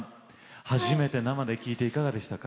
初めて生で聴いていかがでしたか？